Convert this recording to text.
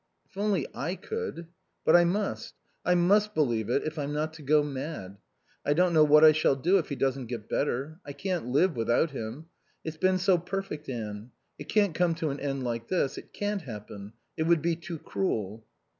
"If only I could. But I must. I must believe it if I'm not to go mad. I don't know what I shall do if he doesn't get better. I can't live without him. It's been so perfect, Anne. It can't come to an end like this. It can't happen. It would be too cruel."